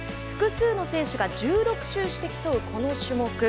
複数の選手が１６周して競うこの種目。